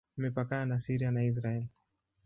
Imepakana na Syria na Israel.